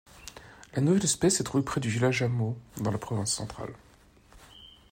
La nouvelle espèce est trouvée près du village Amau dans la Province centrale.